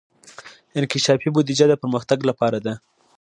انکشافي بودجه د پرمختګ لپاره ده